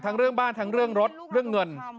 เรื่องบ้านทั้งเรื่องรถเรื่องเงิน